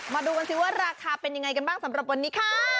มาดูกันสิว่าราคาเป็นยังไงกันบ้างสำหรับวันนี้ค่ะ